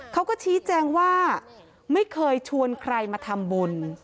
เขาก็ชี้แจงว่าไม่เคยชวนใครมาทำบุญ